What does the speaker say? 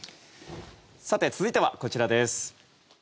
続いては、こちらです。